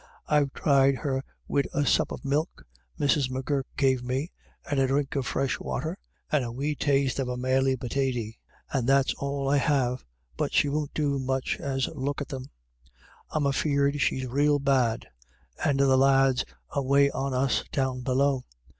I've tried her wid the sup o v milk Mrs. M'Gurk gave me, and a drink of fresh water, and a wee taste of a maley pitaty — and that's all I have ; but she won't so much as look at them. I'm afeard she's rael bad ; and the lads away on us down below.